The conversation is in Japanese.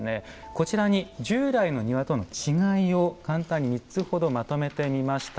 こちらに従来の庭との違いを簡単に３つ程まとめてみました。